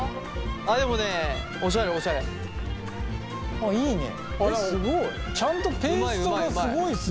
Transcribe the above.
あっいいね。